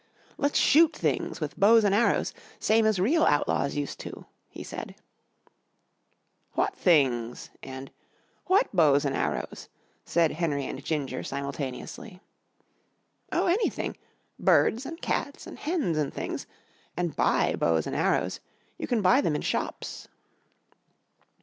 "Let's shoot things with bows an' arrows same as real outlaws used to," he said. "What things?" and "What bows an' arrows?" said Henry and Ginger simultaneously. "Oh, anything birds an' cats an' hens an' things an' buy bows an' arrows. You can buy them in shops."